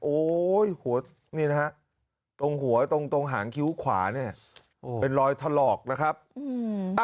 โอ้โฮนี่นะฮะตรงหังคิ้วขวาเนี่ยเป็นรอยทรลอกนะครับ